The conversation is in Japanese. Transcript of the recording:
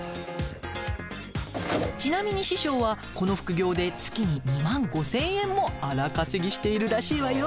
ちなみに師匠はこの副業で月に２万５，０００円も荒稼ぎしているらしいわよ。